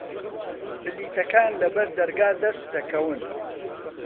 بلیتەکان لە بەردەرگا دەست دەکەون.